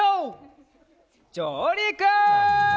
じょうりく！